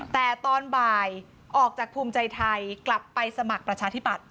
แต่ตอนบ่ายออกจากภูมิใจไทยกลับไปสมัครประชาธิบัติ